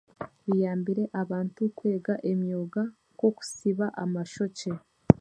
Kiyambire abantu kwega emyoga nk'okusiba amashokye